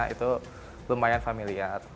itu lumayan familiar